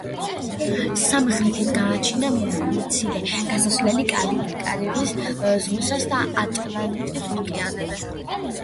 სამხრეთით გააჩნია მცირე გასასვლელი კარიბის ზღვასა და ატლანტის ოკეანეზე.